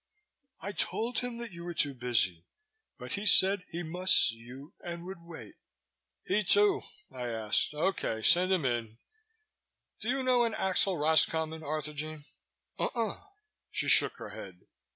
"I told him that you were too busy, but he said he must see you and would wait." "He too?" I asked. "Okay. Send him in. Do you know an Axel Roscommon, Arthurjean?" "Uh uh!" She shook her head.